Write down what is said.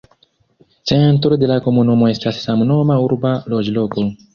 Centro de la komunumo estas samnoma urba loĝloko.